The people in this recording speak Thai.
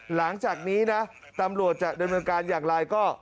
หลังจากนี้นะตำรวจจะดำเนินการอย่างไรก็